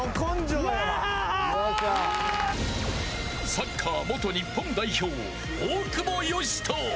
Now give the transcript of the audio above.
サッカー元日本代表、大久保嘉人。